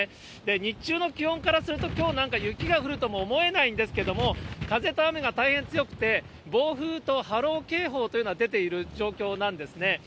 日中の気温からすると、きょうなんか雪が降るとも思えないんですけれども、風と雨が大変強くて、暴風と波浪警報というのが出ている状況なんですね。